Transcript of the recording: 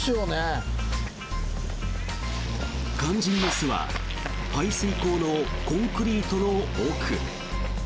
肝心の巣は排水溝のコンクリートの奥。